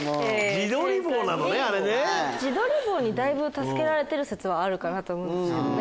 自撮り棒にだいぶ助けられてる説あるかと思うんですけどね。